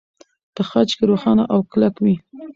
په خج کې روښانه او کلک وي.